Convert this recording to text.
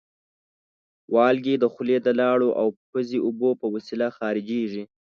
والګی د خولې د لاړو او پزې اوبو په وسیله خارجېږي.